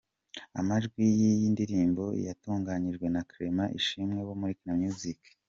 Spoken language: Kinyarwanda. Amajwi y’iyi ndirimbo yatunganyijwe na Clement Ishimwe wo muri Kina Music.